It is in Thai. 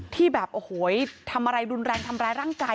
ที่แบบโอ้โหทำอะไรรุนแรงทำร้ายร่างกาย